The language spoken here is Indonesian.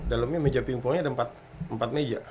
dalamnya meja pingpoolnya ada empat meja